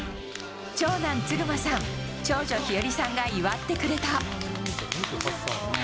長男、嗣磨さん、長女、日和さんが祝ってくれた。